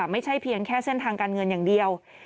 ไม่ใช่เพียงแค่เส้นทางการเงินอย่างเดียว